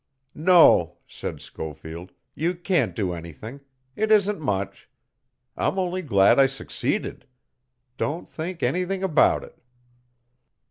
"No," said Schofield, "you can't do anything. It isn't much. I'm only glad I succeeded. Don't think anything about it."